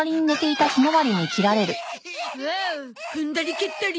踏んだり蹴ったり。